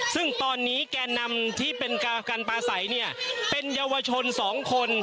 ซึ่งตอนนี้แก่นำที่เป็นการปลาใสเนี่ยเป็นเยาวชน๒คน